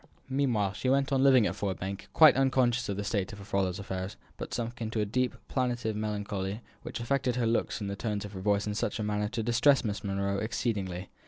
Meanwhile she went on living at Ford Bank, quite unconscious of the state of her father's affairs, but sunk into a deep, plaintive melancholy, which affected her looks and the tones of her voice in such a manner as to distress Miss Monro exceedingly.